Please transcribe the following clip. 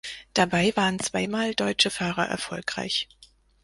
Dabei waren zwei Mal deutsche Fahrer erfolgreich.